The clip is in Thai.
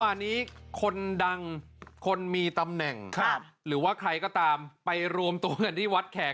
วันนี้คนดังคนมีตำแหน่งหรือว่าใครก็ตามไปรวมตัวกันที่วัดแขก